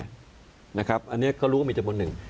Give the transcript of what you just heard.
อันนี้ก็รู้มีจำนวน๑